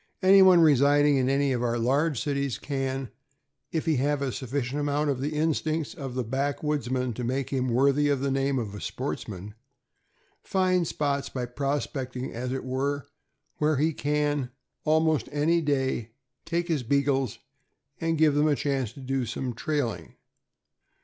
Anyone residing in any of our large cities can, if he have a sufficient amount of the instincts of the backwoodsman to make him worthy the name of a sportsman, find spots by prospecting, as it were, where he can, almost any day, take his Beagles and give them a chance to do some trail ing.